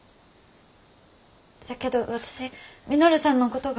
じゃけど私稔さんのことが。